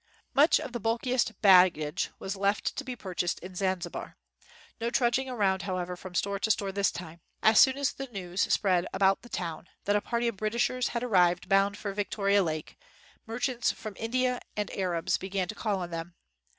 Much of the bulkiest baggage was left to be purchased in Zanzibar. No trudging around, however, from store to store this time. As soon as the news spread about the town that a party of Britishers had arrived bound for Victoria Lake, merchants from India and Arabs began to call on them.